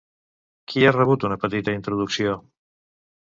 Qui ha rebut una petita introducció?